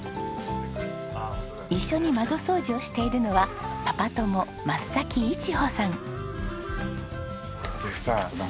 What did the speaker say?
一緒に窓掃除をしているのはパパ友先一歩さん。